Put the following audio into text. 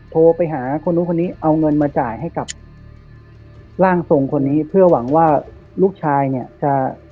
โทรไปหาคนนู้นคนนี้เอาเงินมาจ่ายให้กับร่างทรงคนนี้เพื่อหวังว่าลูกชายเนี่ยจะ